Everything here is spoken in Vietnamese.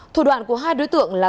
thủ đoạn của hai đối tượng là